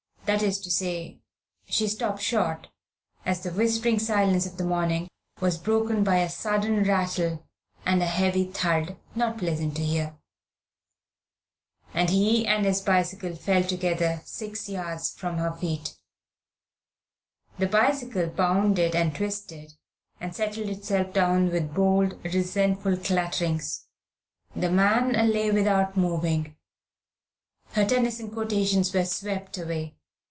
That is to say, she stopped short, as the whispering silence of the morning was broken by a sudden rattle and a heavy thud, not pleasant to hear. And he and his bicycle fell together, six yards from her feet. The bicycle bounded, and twisted, and settled itself down with bold, resentful clatterings. The man lay without moving. Her Tennyson quotations were swept away.